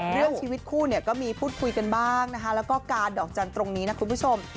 เรื่องชีวิตคู่เนี่ยก็มีพูดคุยกันบ้างนะคะแล้วก็การดอกจันทร์ตรงนี้นะคุณผู้ชม